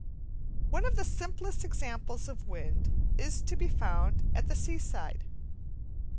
One of the simplest examples of wind is to be found at the seaside.